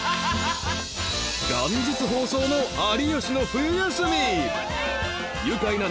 ［元日放送の『有吉の冬休み』］